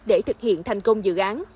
để thực hiện thành công dự án